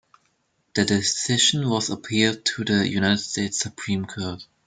The decision was appealed to the United States Supreme Court.